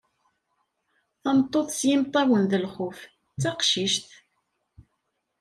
Tameṭṭut s yimeṭṭawen d lxuf: D taqcict.